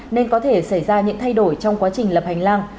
nên có thể xảy ra những thay đổi trong quá trình lập hành lang